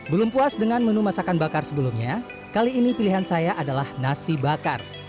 belum puas dengan menu masakan bakar sebelumnya kali ini pilihan saya adalah nasi bakar